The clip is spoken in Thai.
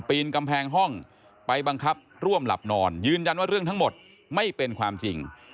ปีนกำแพงห้องไปบังคับร่วมหลับนอนยืนยันว่าเรื่องทั้งหมดไม่เป็นความจริง